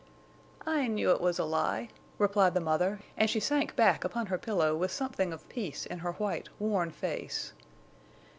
"I knew it was a lie," replied the mother, and she sank back upon her pillow with something of peace in her white, worn face.